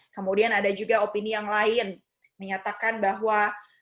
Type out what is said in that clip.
kemudian ada juga opini yang lain menyatakan bahwa